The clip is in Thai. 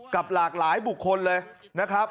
กับหลากหลายบุคคลเลยนะครับ